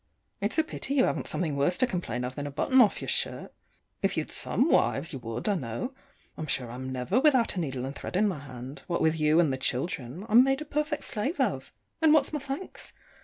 It's a pity you hav'n't something worse to complain of than a button off your shirt. If you'd some wives, you would, I know. I'm sure I'm never without a needle and thread in my hand; what with you and the children, I'm made a perfect slave of. And what's my thanks?